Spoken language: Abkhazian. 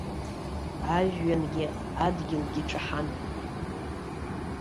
Ажәҩангьы адгьылгьы ҿаҳан.